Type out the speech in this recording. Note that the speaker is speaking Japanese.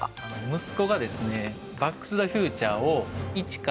息子がですねえっ！？